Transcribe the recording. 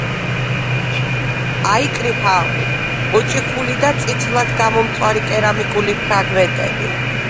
აიკრიფა მოჭიქული და წითლად გამომწვარი კერამიკული ფრაგმენტები.